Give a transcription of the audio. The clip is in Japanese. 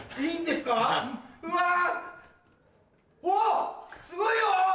すごいよ！